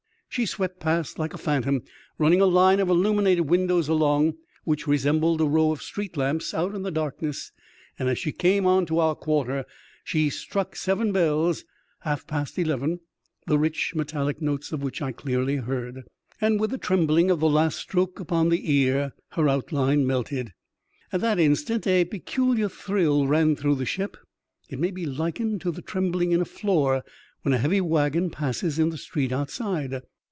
She swept past like a phantom, running a line of illuminated windows along, which resembled a row of street lamps out in the dark ness, and as she came on to our quarter, she struck seven bells — half past eleven — the rich, metallic notes of which I clearly heard ; and with the trembling of the last stroke upon the ear, her outline melted. At that instant a peculiar thrill ran through the ship. It may be likened to the trembling in a floor when a heavy waggon passes in the street outside.